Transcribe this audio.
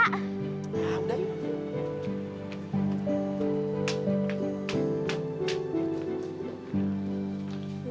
nah sudah yuk